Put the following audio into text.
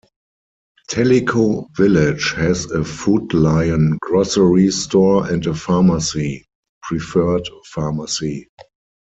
Tellico Village has a Food Lion grocery store and a pharmacy, Preferred Pharmacy.